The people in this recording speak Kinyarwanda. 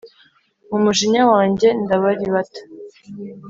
mu mujinya wanjye, ndabaribata,